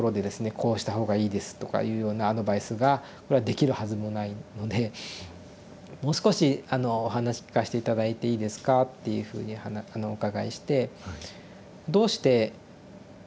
「こうした方がいいです」とかいうようなアドバイスができるはずもないので「もう少しお話聞かして頂いていいですか」っていうふうにお伺いして「どうして予後を聞きたいんですか？」